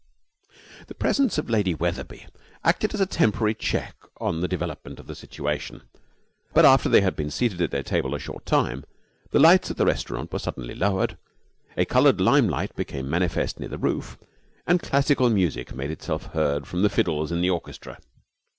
The presence of Lady Wetherby acted as a temporary check on the development of the situation, but after they had been seated at their table a short time the lights of the restaurant were suddenly lowered, a coloured limelight became manifest near the roof, and classical music made itself heard from the fiddles in the orchestra.